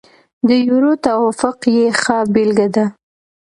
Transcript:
د یورو توافق یې ښه بېلګه ده.